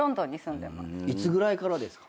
いつぐらいからですか？